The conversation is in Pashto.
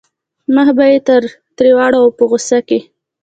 مخ به یې ترې واړاوه په غوسه کې.